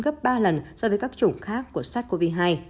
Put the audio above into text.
gấp ba lần so với các chủng khác của sars cov hai